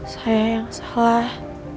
saya yang salah